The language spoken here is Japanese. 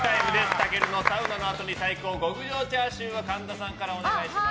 たけるのサウナのあとに最高極上チャーシューを神田さんからお願いします。